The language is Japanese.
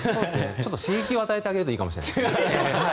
ちょっと刺激を与えてあげるといいかもしれない。